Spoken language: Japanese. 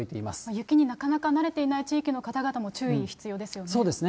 雪になかなか慣れていない地域の方々も注意必要ですよね。